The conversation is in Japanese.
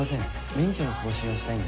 免許の更新をしたいんですが。